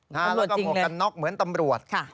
แล้วก็หมวกกันน็อกเหมือนตำรวจ